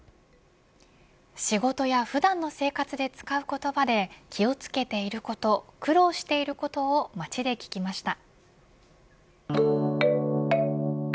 仕事や普段の生活で使う言葉で気を付けていること苦労していることを街で聞きました。